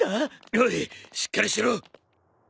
おいしっかりしろ。